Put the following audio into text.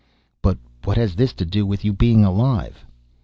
"But what has this to do with you being alive?"